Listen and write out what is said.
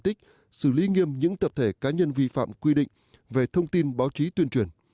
tích xử lý nghiêm những tập thể cá nhân vi phạm quy định về thông tin báo chí tuyên truyền